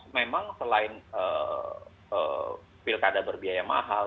memang selain pilkada berbiaya mahal